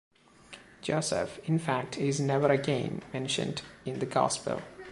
Joseph, in fact, is never again mentioned in the Gospel.